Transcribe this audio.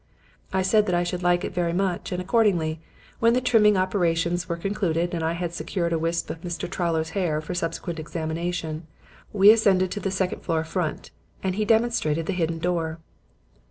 "I said that I should like it very much, and accordingly, when the trimming operations were concluded and I had secured a wisp of Mr. Towler's hair for subsequent examination, we ascended to the second floor front and he demonstrated the hidden door.